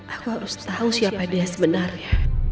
aku harus tahu siapa dia sebenarnya